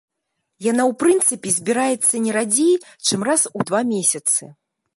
Яна ў прынцыпе збіраецца не радзей, чым раз у два месяцы.